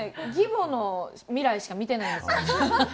義母の未来しか見てないんです。